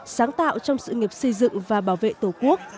sáng tạo trong sự nghiệp xây dựng và bảo vệ tổ quốc